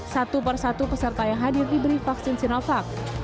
satu persatu peserta yang hadir diberi vaksin sinovac